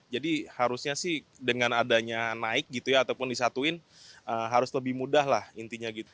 jadi harusnya sih dengan adanya naik gitu ya ataupun disatuin harus lebih mudah lah intinya gitu